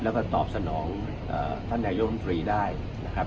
แล้วก็ตอบสนองท่านนายกรรมตรีได้นะครับ